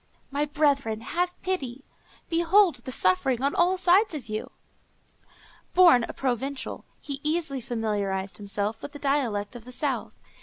My brethren, have pity! behold the suffering on all sides of you!" Born a Provençal, he easily familiarized himself with the dialect of the south.